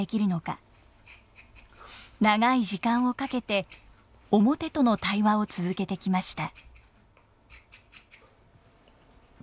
長い時間をかけて面との対話を続けてきました。